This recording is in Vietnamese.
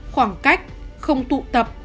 khoảng cách không tụ tập